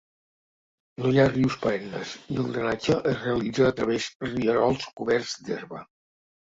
No hi ha rius perennes i el drenatge es realitza a través rierols coberts d'herba.